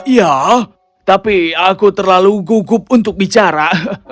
ya tapi aku terlalu gugup untuk bicara